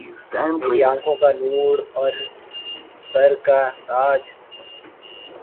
میری آنکهون کا نور أور سر کا تاج